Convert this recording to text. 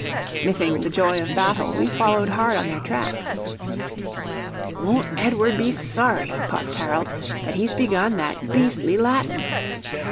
Sniffing the joy of battle, we followed hard on their tracks. "Won't Edward be sorry," puffed Harold, "that he's begun that beastly Latin?"